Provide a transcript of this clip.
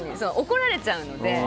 怒られちゃうので。